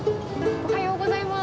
おはようございます。